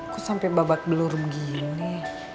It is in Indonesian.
kok sampe babak belurung gini